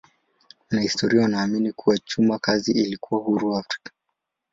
Wanahistoria wanaamini kuwa chuma kazi ilikuwa huru Afrika.